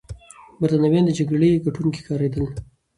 برتانويان د جګړې ګټونکي ښکارېدل.